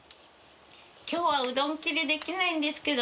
きょうはうどん切りできないんですけど」